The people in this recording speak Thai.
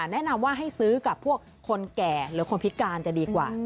แนะนำว่าให้ซื้อกับพวกคนแก่หรือคนพิการจะดีกว่า